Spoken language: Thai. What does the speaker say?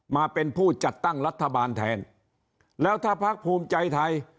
มาเป็นผู้จัดตั้งรัฐบาลแทนแล้วถ้าพักภูมิใจไทย